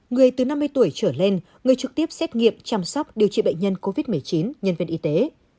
người từ năm mươi tuổi trở lên người trực tiếp xét nghiệm chăm sóc điều trị bệnh nhân covid một mươi chín nhân viên y tế